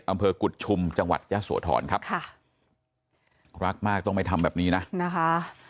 อำเภอกุฎชุมจังหวัดยะโสธรครับค่ะรักมากต้องไปทำแบบนี้นะนะคะ